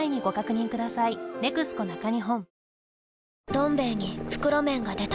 「どん兵衛」に袋麺が出た